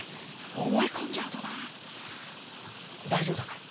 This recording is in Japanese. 思い込んじゃうとな大丈夫だから。